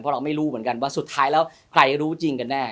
เพราะเราไม่รู้เหมือนกันว่าสุดท้ายแล้วใครรู้จริงกันแน่